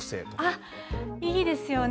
あっ、いいですよね。